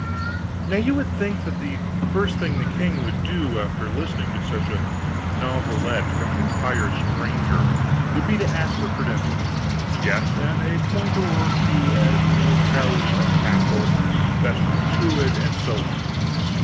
Now you would think that the first thing the king would do after listening to such a novelette from an entire stranger, would be to ask for credentials yes, and a pointer or two as to locality of castle, best route to it, and so on.